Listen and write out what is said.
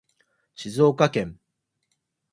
静岡県